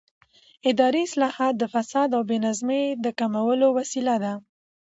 اداري اصلاحات د فساد او بې نظمۍ د کمولو وسیله دي